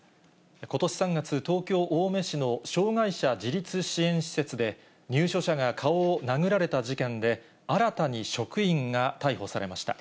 ことし３月、東京・青梅市の障がい者自立支援施設で、入所者が顔を殴られた事件で、新たに職員が逮捕されました。